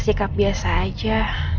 untuk bersikap biasa aja